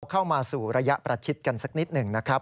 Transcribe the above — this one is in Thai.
เข้ามาสู่ระยะประชิดกันสักนิดหนึ่งนะครับ